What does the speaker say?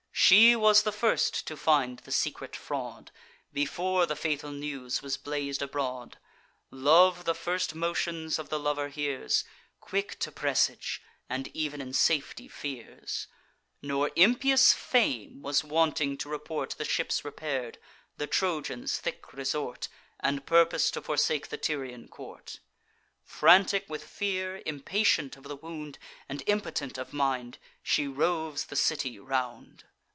She was the first to find the secret fraud, Before the fatal news was blaz'd abroad. Love the first motions of the lover hears, Quick to presage, and ev'n in safety fears. Nor impious Fame was wanting to report The ships repair'd, the Trojans' thick resort, And purpose to forsake the Tyrian court. Frantic with fear, impatient of the wound, And impotent of mind, she roves the city round.